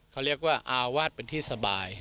เขาเรียกว่าอาวาสเป็นที่สบาย